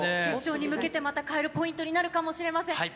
決勝に向けて、また変えるポイントになるかもしれません。